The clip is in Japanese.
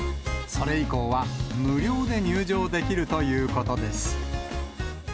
それ以降は無料で入場できるということです。